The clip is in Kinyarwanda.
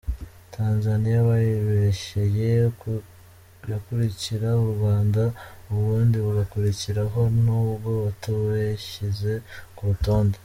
Tanzania bayibeshyeye, yakurikira u Rwanda , uburundi bugakurikiraho nubwo batabushyize kurutonde!.